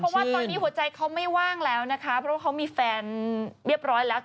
เพราะว่าตอนนี้หัวใจเขาไม่ว่างแล้วนะคะเพราะว่าเขามีแฟนเรียบร้อยแล้ว